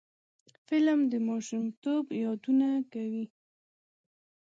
فلم د ماشومتوب یادونه کوي